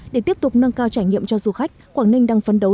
để tiếp tục nâng cao trải nghiệm cho du khách quảng ninh đang phấn đấu